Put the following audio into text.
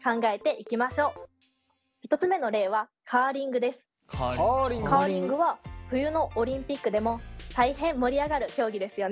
１つ目の例はカーリングは冬のオリンピックでも大変盛り上がる競技ですよね。